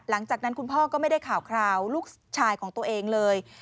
หลังจากนั้นคุณพ่อก็ไม่ได้ข่าวคราวลูกชายของตัวเองเลย